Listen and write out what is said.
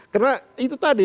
karena itu tadi